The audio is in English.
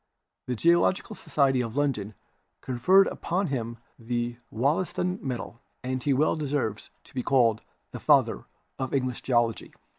The Geological Society of London conferred upon him the Wollaston medal, and he well deserves to be called the "Father of English Geology."